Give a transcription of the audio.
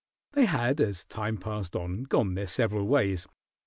They had, as time passed on, gone their several ways.